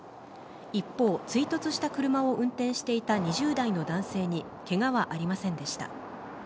一方、追突した車を運転していた２０代の男性にけがはありませんでした。